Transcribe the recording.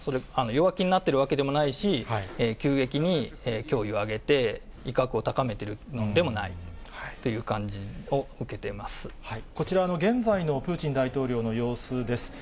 弱気になっているわけでもないし、急激に脅威をあげて、威嚇を高めてるのでもないという感じを受けこちら、現在のプーチン大統領の様子です。